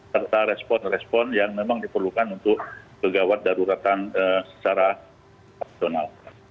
serta respon respon yang memang diperlukan untuk pegawai daruratan secara nasional